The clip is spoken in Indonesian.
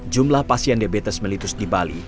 jumlah pasien diabetes melitus di bali